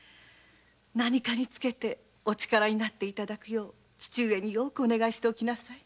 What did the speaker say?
何かにつけてお力になって頂くよう父上にお願いしておきなさい。